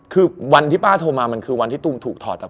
คือวันที่ป้าโทรมามันคือวันที่ตูมถูกถอดจาก